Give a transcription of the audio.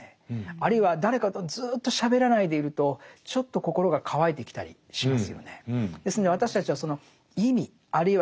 あるいは誰かとずっとしゃべらないでいるとちょっと心が乾いてきたりしますよね。